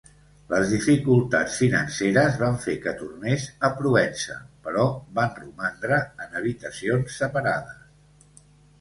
Les dificultats financeres van fer que tornés a Provença, però van romandre en habitacions separades.